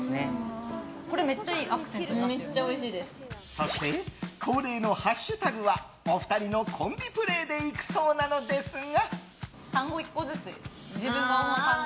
そして、恒例のハッシュタグはお二人のコンビプレーでいくそうなのですが。